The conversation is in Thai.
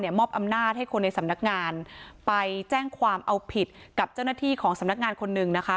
มอบอำนาจให้คนในสำนักงานไปแจ้งความเอาผิดกับเจ้าหน้าที่ของสำนักงานคนหนึ่งนะคะ